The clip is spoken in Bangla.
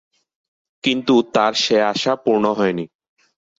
কিন্তু তার সে আশা পূর্ণ হয়নি।